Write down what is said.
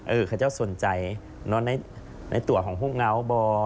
เออเค้าจะสนใจในตัวของฮุกเงาบ่